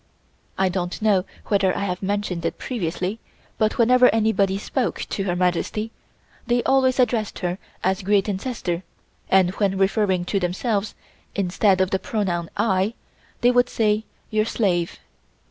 I don't know whether I have mentioned it previously, but whenever anybody spoke to Her Majesty, they always addressed her as "Great Ancestor," and when referring to themselves, instead of the pronoun "I," they would say "Your slave."